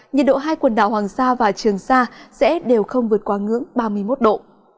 nhiệt độ hai quần đảo hoàng sa và trường sa sẽ đều không vượt qua ngưỡng ba mươi một độ